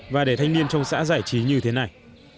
và để thanh niên trong xã giải trí như thế này